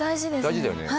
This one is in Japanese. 大事だよね。